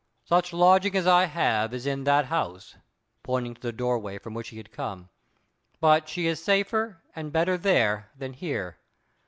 Such lodging as I have is in that house"—pointing to the doorway from which he had come—"but she is safer and better there than here.